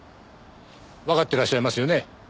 わかってらっしゃいますよね？